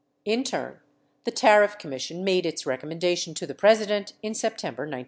In turn, the Tariff Commission made its recommen dation to the President in September 1970.